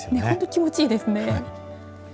本当に気持ちいいですね。